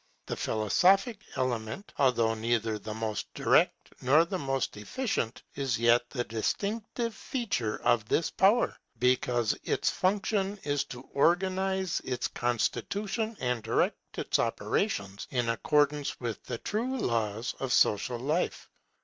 The philosophic element, although neither the most direct nor the most efficient, is yet the distinctive feature of this power, because its function is to organize its constitution and direct its operations in accordance with the true laws of social life.